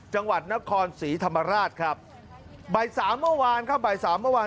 จังหวัดนครศรีธรรมราชครับบ่ายสามเมื่อวานครับบ่ายสามเมื่อวาน